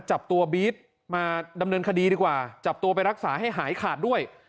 จับตัวบี๊ดมาดำเนินคดีดีกว่าจับตัวไปรักษาให้หายขาดด้วย